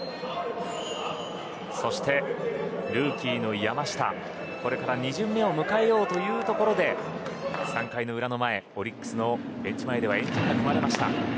そして、ルーキーの山下がこれから２巡目を迎えようというところで３回の裏の前、オリックスのベンチ前では円陣が組まれました。